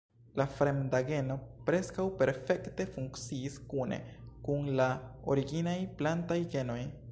La fremda geno preskaŭ perfekte funkciis kune kun la originaj plantaj genoj.